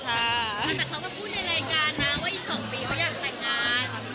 แต่เค้ามาพูดในรายการนะว่าอีกสองปีเค้าอยากแพลนการ